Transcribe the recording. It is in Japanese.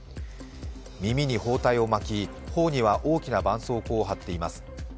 耳に包帯を巻き、頬には大きなばんそうこうを貼っています。